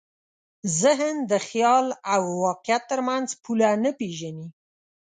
ذهن د خیال او واقعیت تر منځ پوله نه پېژني.